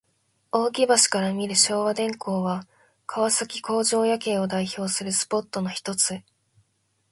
扇橋から見る昭和電工は、川崎工場夜景を代表するスポットのひとつ。